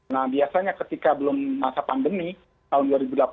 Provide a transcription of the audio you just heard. nah biasanya ketika belum masa pandemi tahun dua ribu delapan belas dua ribu sembilan belas